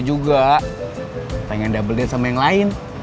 tidak pengen double date sama yang lain